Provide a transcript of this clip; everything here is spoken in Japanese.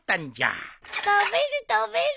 食べる食べる！